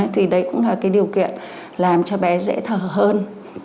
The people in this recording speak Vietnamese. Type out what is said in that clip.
thì đấy cũng là cái điều kiện làm cho bé dễ thở hơn